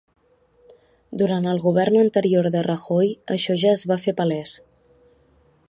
Durant el govern anterior de Rajoy, això ja es va fer palès.